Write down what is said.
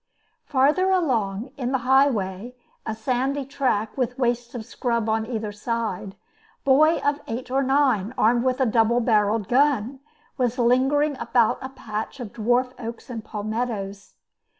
Farther along, in the highway, a sandy track, with wastes of scrub on either side, boy of eight or nine, armed with a double barreled gun, was lingering about a patch of dwarf oaks and palmettos.